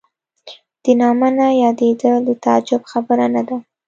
د نامه نه یادېدل د تعجب خبره نه ده.